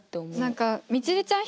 何かみちるちゃん